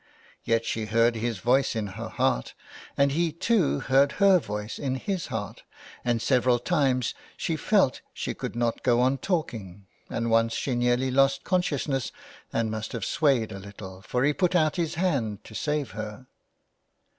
Yet she heard his voice in her heart, and he, too, heard her voice in his heart, and several times she felt she could not go on talking, and once she nearly lost consciousness and must have swayed a little, for he put out his hand to save her.